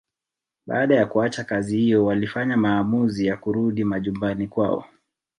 Baada ya kuacha kazi hiyo walifanya maamuzi ya kurudi majumbani kwao